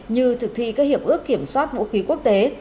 như thực thi các hiệp ước kiểm soát vũ khí quốc tế